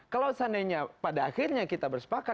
kalau seandainya pada akhirnya kita bersepakat